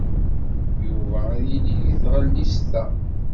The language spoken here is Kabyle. Yuba ad yili deg tɣellist da.